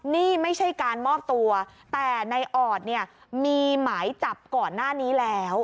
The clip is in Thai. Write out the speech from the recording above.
นี่ไม่ใช่การมอบตัวแต่ในออดเนี่ยมีหมายจับก่อนหน้านี้แล้ว